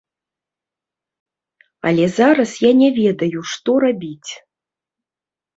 Але зараз я не ведаю, што рабіць.